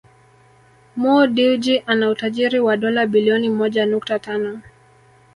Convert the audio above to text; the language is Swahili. Mo Dewji ana utajiri wa dola bilioni moja nukta tano